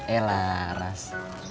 eh lah ras